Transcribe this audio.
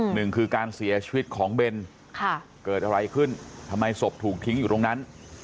หนึ่งคือการเสียชีวิตของเบนเกิดอะไรขึ้นทำไมศพถูกทิ้งอยู่ตรงนั้น